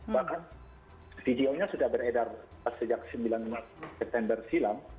bahkan videonya sudah beredar sejak sembilan september silam